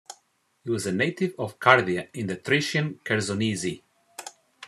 He was a native of Cardia in the Thracian Chersonese.